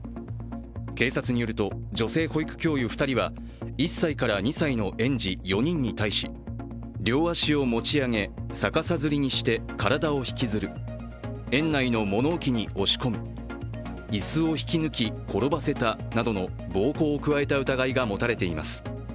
警察によると、女性保育教諭２人は１歳から２歳の園児４人に対し両足を持ち上げ、逆さ吊りにして体を引きずる、園内の物置に押し込む、椅子を引き抜き、転ばせたなどの暴行を加えた疑いが持たれています。